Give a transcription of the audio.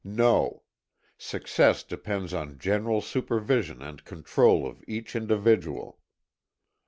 No, ŌĆösuccess depends on general supervision and control of each individual.